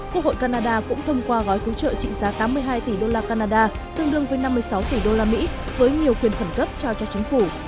quốc hội canada cũng thông qua gói cứu trợ trị giá tám mươi hai tỷ đô la canada tương đương với năm mươi sáu tỷ đô la mỹ với nhiều quyền khẩn cấp trao cho chính phủ